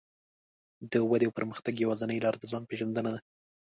د ودې او پرمختګ يوازينۍ لار د ځان پېژندنه ده.